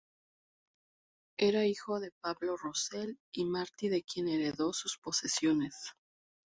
Era hijo de Pablo Rosell y Martí, de quien heredó sus posesiones.